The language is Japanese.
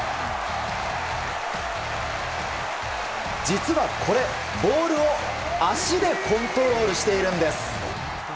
実はこれ、ボールを足でコントロールしているんです。